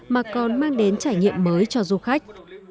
mà còn mang đến trải nghiệm mới cho du khách